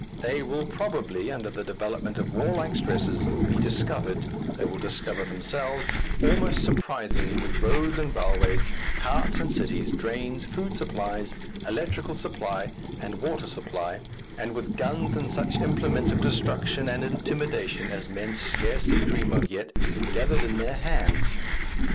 They will probably, under the development of warlike stresses, be discovered they will discover themselves almost surprisingly with roads and railways, carts and cities, drains, food supply, electrical supply, and water supply, and with guns and such implements of destruction and intimidation as men scarcely dream of yet, gathered in their hands.